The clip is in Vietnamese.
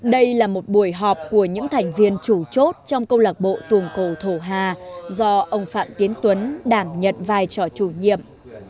đây là một buổi họp của những thành viên chủ chốt trong câu lạc bộ tuồng cổ thổ hà do ông phạm tiến tuấn đảm nhận vai trò chủ nhiệm